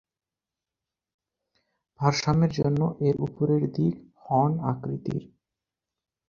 ভারসাম্যের জন্য এর উপরের দিক "হর্ন" আকৃতির।